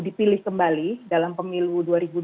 dipilih kembali dalam pemilu